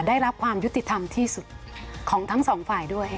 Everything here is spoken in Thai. ได้รับความยุติธรรมที่สุดของทั้งสองฝ่ายด้วย